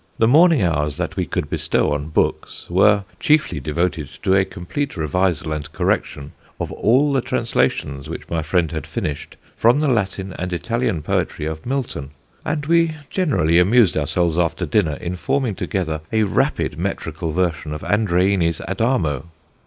The morning hours that we could bestow on books were chiefly devoted to a complete revisal and correction of all the translations, which my friend had finished, from the Latin and Italian poetry of Milton; and we generally amused ourselves after dinner in forming together a rapid metrical version of Andreini's Adamo.